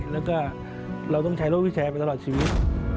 แล้วก็เราต้องใช้โรควิแชร์ไปตลอดชีวิต